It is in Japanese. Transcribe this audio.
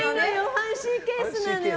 ファンシーケースなのよ。